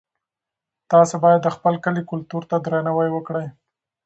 تاسي باید د خپل کلي کلتور ته درناوی وکړئ.